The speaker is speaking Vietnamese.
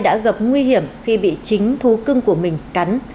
đã gặp nguy hiểm khi bị chính thú cưng của mình cắn